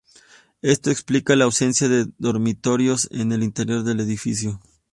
Esto explica la ausencia de dormitorios en el interior del edificio.